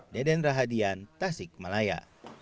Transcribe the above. deden rahadian tasikmalaya